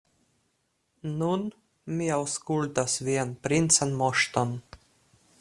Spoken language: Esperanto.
Nun mi aŭskultas vian princan moŝton.